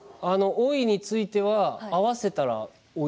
おい！については合わせたらおい！